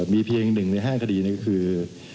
มีเพียงหนึ่งใน๕คดีก็คือ